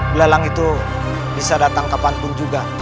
belelang itu bisa datang kapanpun juga